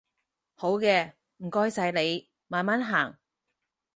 好嘅，唔該晒你，慢慢行